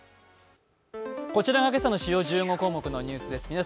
こちらが今朝の主要１５項目のニュースです。